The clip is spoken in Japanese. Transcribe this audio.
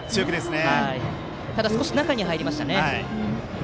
ただ、少し中に入りました。